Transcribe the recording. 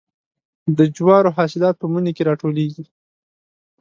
د جوارو حاصلات په مني کې راټولیږي.